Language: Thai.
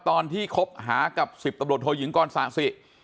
ตอนที่คบหากับ๑๐ตำรวจโทยหญิงกรศาสิ